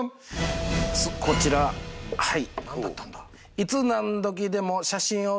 こちらはい。